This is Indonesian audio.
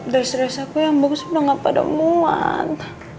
dari serius aku yang bagus udah gak pada muat